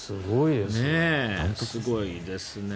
すごいですね。